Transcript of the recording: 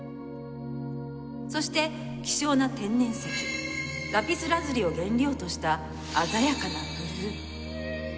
そして希少な天然石「ラピスラズリ」を原料とした鮮やかなブルー。